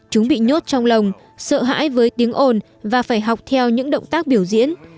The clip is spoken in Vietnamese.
chúng bị nhốt trong lòng sợ hãi với tiếng ồn và phải học theo những động tác biểu diễn